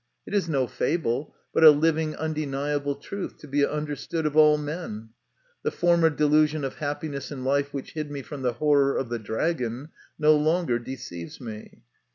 It is no fable, but a living, undeniable truth, to be understood of all men. The former delusion of happiness in life which hid from me the horror of the dragon no longer deceives me.